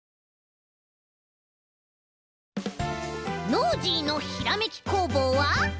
「ノージーのひらめき工房」は。